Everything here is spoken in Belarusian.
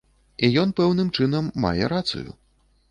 І ён пэўным чынам мае рацыю.